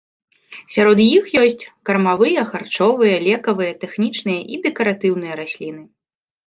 Сярод іх ёсць кармавыя, харчовыя, лекавыя, тэхнічныя і дэкаратыўныя расліны.